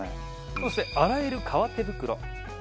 そして、洗える革手袋。